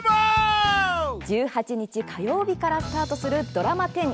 １８日火曜日からスタートするドラマ１０